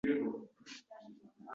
Mudrab yo’lga tushar tergovchi sari —